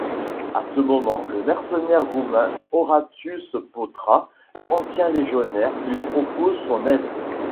À ce moment, le mercenaire roumain Horaţiu Potra, ancien légionnaire, lui propose son aide.